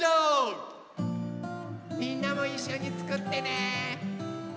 みんなもいっしょにつくってね！